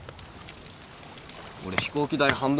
俺飛行機代半分出すよ。